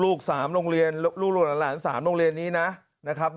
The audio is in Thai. ลูก๓ลงเรียนลูกหลวงหลาน๓ลงเรียนนี้นะ